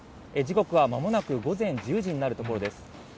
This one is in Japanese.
時刻はまもなく午前１０時になるところです。